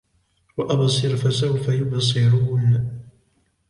وَأَبْصِرْ فَسَوْفَ يُبْصِرُونَ